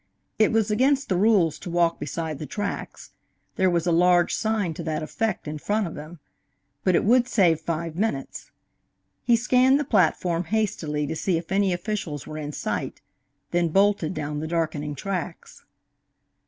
It was against the rules to walk beside the tracks there was a large sign to that effect in front of him but it would save five minutes. He scanned the platform hastily to see if any officials were in sight, then bolted down the darkening tracks.